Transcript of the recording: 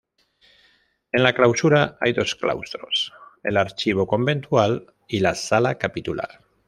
En la clausura hay dos claustros, el archivo conventual y la sala capitular.